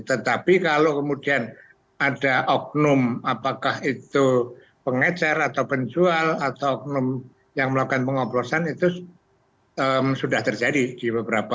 tetapi kalau kemudian ada oknum apakah itu pengecer atau penjual atau oknum yang melakukan pengoplosan itu sudah terjadi di beberapa